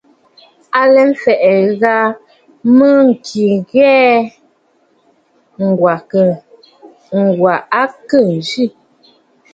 À lɛ mfɛ̀ʼɛ̀, ŋghə mə kɨ ghɛ̀ɛ̀, Ŋ̀gwà a khê ǹzi.